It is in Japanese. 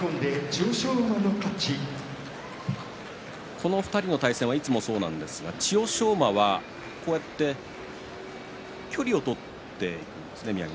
この２人の対戦はいつもそうなんですが、千代翔馬は距離を取っているんですね。